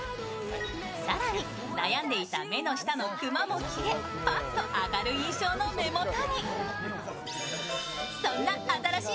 更に悩んでいた目の下のクマも消えパッと明るい印象の目元に。